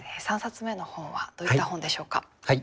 ３冊目の本はどういった本でしょうか？